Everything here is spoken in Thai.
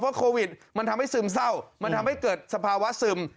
โควิดมันทำให้ซึมเศร้ามันทำให้เกิดสภาวะซึม